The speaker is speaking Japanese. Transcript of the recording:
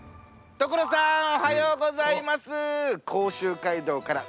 所さんおはようございます！